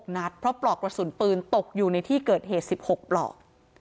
นัดเพราะปลอกกระสุนปืนตกอยู่ในที่เกิดเหตุ๑๖ปลอก